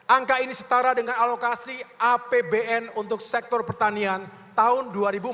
angka ini setara dengan alokasi apbn untuk sektor pertanian tahun dua ribu empat belas